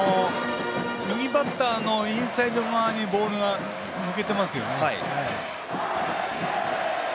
右バッターのインサイド側にボールが抜けていますね。